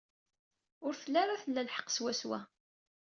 Ur telli ara tla lḥeqq swaswa.